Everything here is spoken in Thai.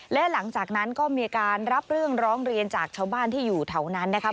และหลังจากนั้นก็มีการรับเรื่องร้องเรียนจากชาวบ้านที่อยู่แถวนั้นนะครับ